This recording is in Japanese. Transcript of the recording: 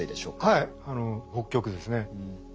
はい北極ですね。